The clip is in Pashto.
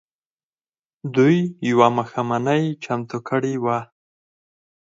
دوی يوه ماښامنۍ چمتو کړې وه.